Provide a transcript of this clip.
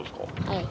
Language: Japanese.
はい。